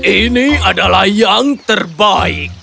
ini adalah yang terbaik